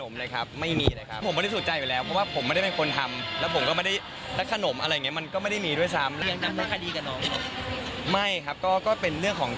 ฟรอยมั่นใจเลยว่าเหตุกรรมนั้นเราไม่มีการยื่นอะไรให้น้อง